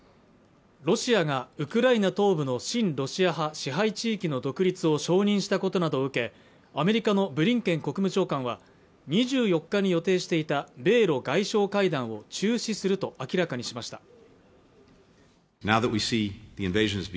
ロシアがウクライナ東部の親ロシア派支配地域の独立を承認したことなどを受けアメリカのブリンケン国務長官は２４日に予定していた米ロ外相会談を中止すると明らかにしました